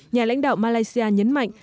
nhà lãnh đạo malaysia nhấn mạnh